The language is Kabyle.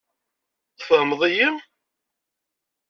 Tfehmeḍ-iyi?